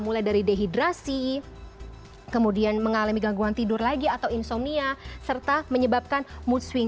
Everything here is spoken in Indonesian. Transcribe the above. mulai dari dehidrasi kemudian mengalami gangguan tidur lagi atau insomnia serta menyebabkan mood swing